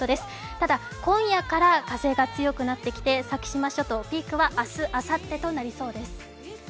ただ今夜から風が強くなってきて先島諸島、ピークは明日、あさってとなりそうです。